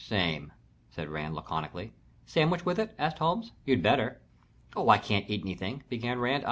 "Same," said Rand, laconically. "Sandwich with it?" asked Holmes. "You'd better." "Oh, I can't eat anything," began Rand.